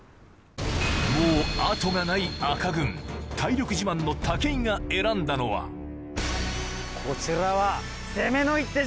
もう後がない赤軍体力自慢の武井が選んだのはこちらは攻めの一手じゃ！